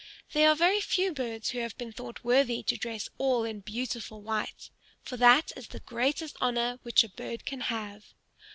There are very few birds who have been thought worthy to dress all in beautiful white, for that is the greatest honor which a bird can have.